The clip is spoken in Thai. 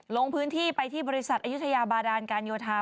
ลงพื้นที่ไปที่บริษัทอายุทยาบาดานการโยธา